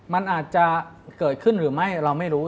มันอาจจะเกิดขึ้นหรือไม่เราไม่รู้